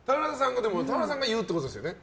田原さんが言うってことですよね